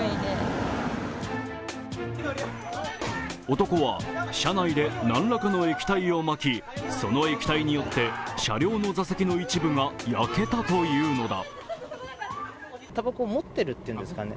男は車内で何らかの液体をまき、その液体によって車両の座席の一部が焼けたというのだ。